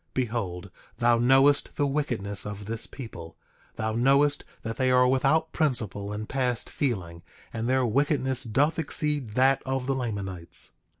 Behold, thou knowest the wickedness of this people; thou knowest that they are without principle, and past feeling; and their wickedness doth exceed that of the Lamanites.